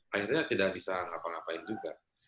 akhirnya tidak bisa ngapa ngapain juga